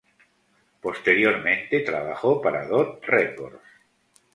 Posteriormente trabajó para Dot Records.